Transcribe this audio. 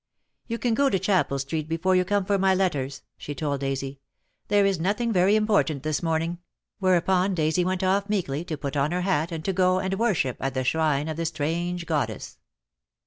"You can go to Chapel Street before you come for my letters," she told Daisy. "There is no thing very important this morning/' whereupon Daisy went off meekly to put on her hat and to go and worship at the shrine of the strange goddess.